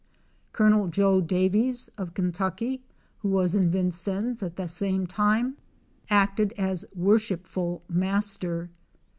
Col. Joe Daviess of Kentucky, who was in Vincennes at that time, acted as Worshipful master.